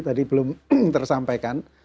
tadi belum tersampaikan